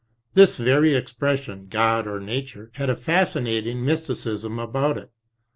His very expression, God or Nature, had a fascinating mysticism about it.